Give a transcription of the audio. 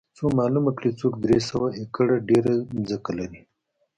څو معلومه کړي څوک درې سوه ایکره ډېره ځمکه لري